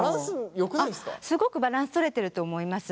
すごくバランスとれてると思います。